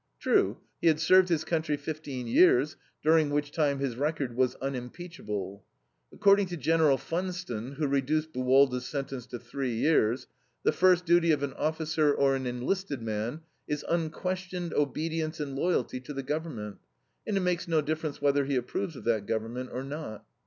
True, he had served his country fifteen years, during which time his record was unimpeachable. According to Gen. Funston, who reduced Buwalda's sentence to three years, "the first duty of an officer or an enlisted man is unquestioned obedience and loyalty to the government, and it makes no difference whether he approves of that government or not."